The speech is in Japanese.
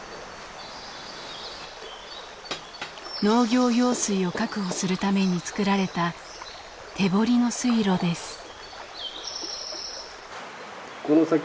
農業用水を確保するために作られた手掘りの水路です。